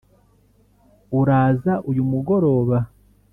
uraza uyu mugoroba?